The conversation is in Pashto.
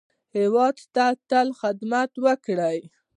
هېواد ته تل خدمت وکړئ